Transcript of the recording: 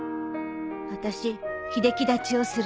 私秀樹断ちをする。